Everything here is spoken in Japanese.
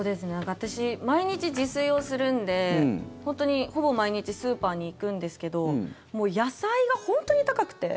私、毎日自炊をするので本当にほぼ毎日スーパーに行くんですけど野菜が本当に高くて。